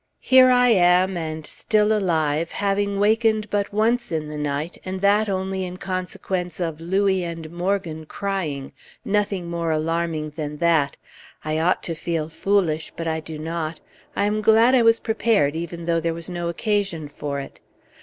Here I am, and still alive, having wakened but once in the night, and that only in consequence of Louis and Morgan crying; nothing more alarming than that. I ought to feel foolish; but I do not. I am glad I was prepared, even though there was no occasion for it.